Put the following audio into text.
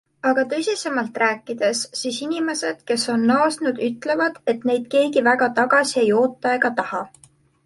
Aga tõsisemalt rääkides, siis inimesed, kes on naasnud, ütlevad, et neid keegi väga tagasi ei oota ega taha.